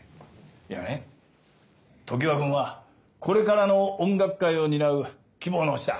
いやね常葉君はこれからの音楽界を担う希望の星だ。